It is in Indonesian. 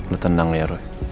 lo tenang ya roy